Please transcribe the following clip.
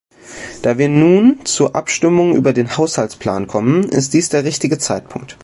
Da wir nun zur Abstimmung über den Haushaltsplan kommen, ist dies der richtige Zeitpunkt.